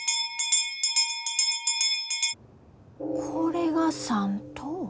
これが３等。